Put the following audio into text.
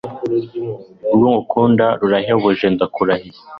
Urwo ngukunda rurahebuje ndakurahiye